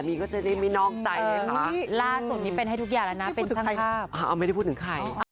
เป็นสร้างภาพไม่ได้พูดถึงใคร